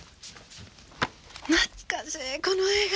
懐かしいこの映画。